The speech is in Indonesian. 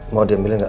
mau diambil gak